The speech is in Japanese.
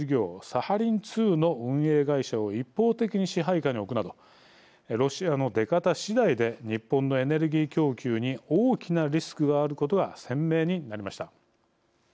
サハリン２の運営会社を一方的に支配下に置くなどロシアの出方次第で日本のエネルギー供給に大きなリスクがあることが鮮明になりました。